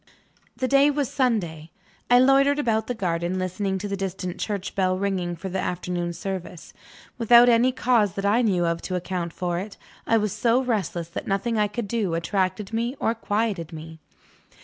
The day was Sunday. I loitered about the garden, listening to the distant church bell ringing for the afternoon service. Without any cause that I knew of to account for it, I was so restless that nothing I could do attracted me or quieted me.